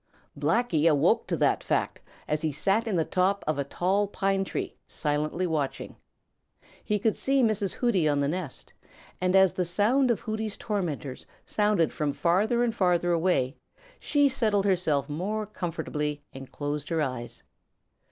Blacky awoke to that fact as he sat in the top of a tall pine tree silently watching. He could see Mrs. Hooty on the nest, and as the noise of Hooty's tormentors sounded from farther and farther away, she settled herself more comfortably and closed her eyes.